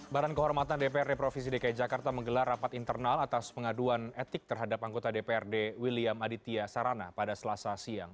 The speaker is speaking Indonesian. barang kehormatan dprd provinsi dki jakarta menggelar rapat internal atas pengaduan etik terhadap anggota dprd william aditya sarana pada selasa siang